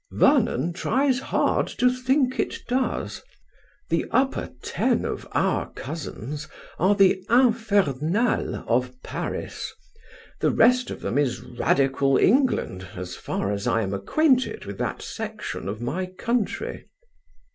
Vernon tries hard to think it does. The upper ten of our cousins are the Infernal of Paris. The rest of them is Radical England, as far as I am acquainted with that section of my country."